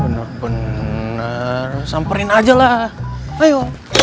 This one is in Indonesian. bener bener samperin aja lah ayo